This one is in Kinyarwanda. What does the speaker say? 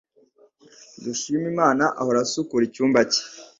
Dushimimana ahora asukura icyumba cye.